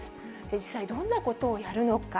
実際、どんなことをやるのか。